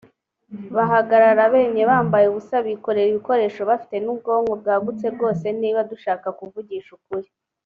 bahagarara bemye bambaye ubusa bikorera ibikoresho bafite n ubwonko bwagutse rwose niba dushaka kuvugisha ukuri